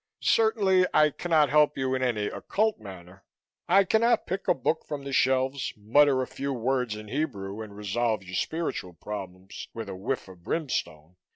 "Certainly I cannot help you in any occult manner. I cannot pick a book from the shelves, mutter a few words in Hebrew and resolve your spiritual problems with a whiff of brimstone.